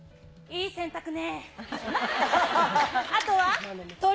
いい選択ね。